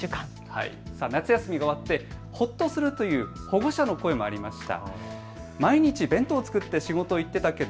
夏休みが終わってほっとするという保護者の声もありました。